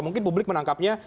mungkin publik menangkapnya